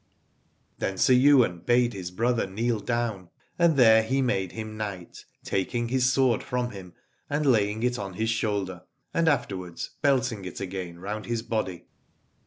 Then Sir Ywain bade his brother kneel down, and there he made him knight, taking his sword from him and laying it on his shoulder, and afterwards belting it again round his body.